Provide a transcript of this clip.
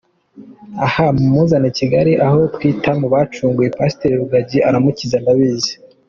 ahaa mumuzane Kgl aho twita mubacunguwe Pasita Rugagi aramukiza ndabizi.